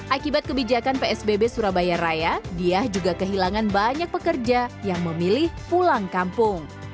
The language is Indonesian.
akibat kebijakan psbb surabaya raya diah juga kehilangan banyak pekerja yang memilih pulang kampung